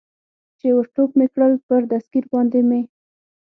چې ور ټوپ مې کړل، پر دستګیر باندې مې.